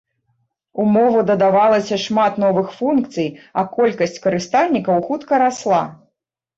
У мову дадавалася шмат новых функцый, а колькасць карыстальнікаў хутка расла.